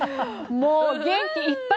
もう、元気いっぱい！